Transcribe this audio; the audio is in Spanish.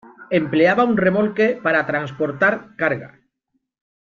Empleaba un remolque para transportar carga.